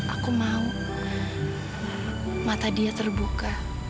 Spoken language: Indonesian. aku mau mata dia terbuka